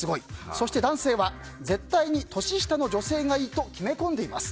そして男性は絶対に年下の女性がいいと決め込んでいます。